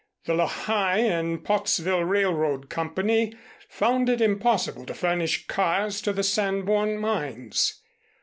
The Lehigh and Pottsville Railroad Company found it impossible to furnish cars to the Sanborn mines.